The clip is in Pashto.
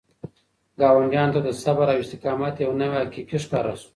ګاونډیانو ته د صبر او استقامت یو نوی حقیقت ښکاره شو.